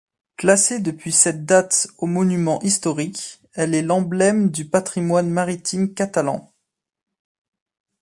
Classée depuis cette date aux Monuments historiques elle est l'emblème du patrimoine maritime catalan.